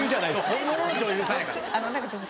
本物の女優さんやから。